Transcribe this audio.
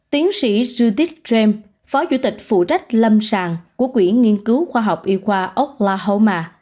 tiến sĩ jutich tram phó chủ tịch phụ trách lâm sàng của quỹ nghiên cứu khoa học y khoa oklahoma